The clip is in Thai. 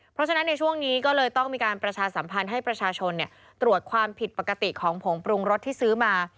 เพราะฉะนั้นในช่วงนี้ก็เลยต้องมีการประชาสัมพันธ์ให้ประชาชนตรวจความผิดปกติของผงปรุงรสที่ซื้อมา